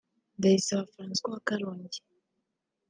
Ndayisaba François wa Karongi